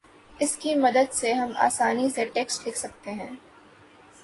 اس کی مدد سے ہم آسانی سے ٹیکسٹ لکھ سکتے ہیں